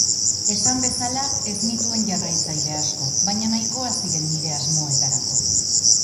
Esan bezala, ez nituen jarraitzaile asko, baina nahikoa ziren nire asmoetarako.